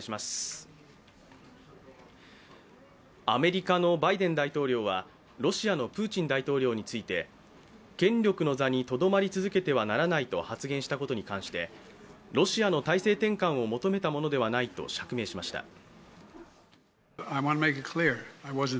アメリカのバイデン大統領はロシアのプーチン大統領について権力の座にとどまり続けてはならないと発言したことに対してロシアの体制転換を求めたものではないと釈明しました。